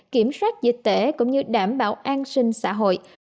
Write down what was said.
kiểm soát dịch tễ cũng như đảm bảo an sinh xã hội